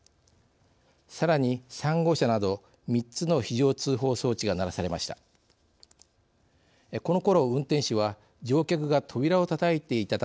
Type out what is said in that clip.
さらに３号車など、３つの非常通報装置が鳴らされました。